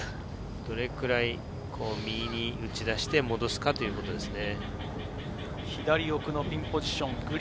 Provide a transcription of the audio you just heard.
どれくらい右に内出して、戻すかというところですね。